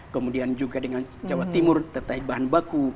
kemudian juga dengan jawa timur terkait bahan baku